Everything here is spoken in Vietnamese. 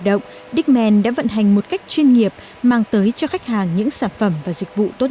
động dickman đã vận hành một cách chuyên nghiệp mang tới cho khách hàng những sản phẩm và dịch vụ tốt